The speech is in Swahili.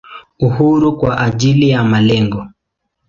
Uhuru kwa ajili ya malengo.